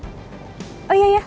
jangan marah ya ya ya ya